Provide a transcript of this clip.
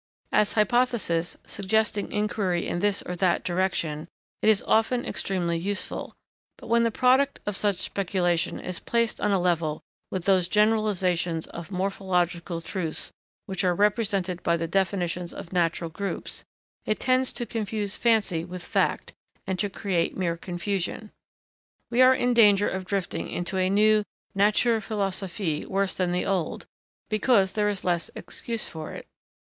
As hypothesis, suggesting inquiry in this or that direction, it is often extremely useful; but, when the product of such speculation is placed on a level with those generalisations of morphological truths which are represented by the definitions of natural groups, it tends to confuse fancy with fact and to create mere confusion. We are in danger of drifting into a new 'Natur Philosophie' worse than the old, because there is less excuse for it.